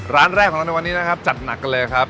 ร้านแรกของเราในวันนี้นะครับจัดหนักกันเลยครับ